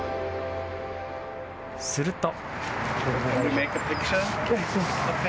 すると。